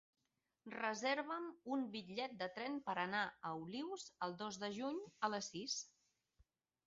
Reserva'm un bitllet de tren per anar a Olius el dos de juny a les sis.